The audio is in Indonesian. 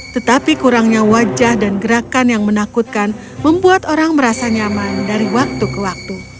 tetapi kurangnya wajah dan gerakan yang menakutkan membuat mereka merasa takut